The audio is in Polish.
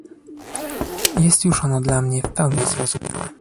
Jest już ono dla mnie w pełni zrozumiałe